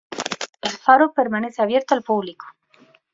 El faro permanece abierto al público.